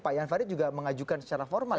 pak yafari juga mengajukan secara formal ya